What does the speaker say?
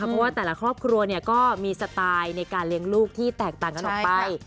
เพราะว่าแต่ละครอบครัวก็มีสไตล์ในการเลี้ยงลูกที่แตกต่างกันออกไป